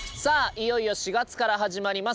いよいよ４月から始まります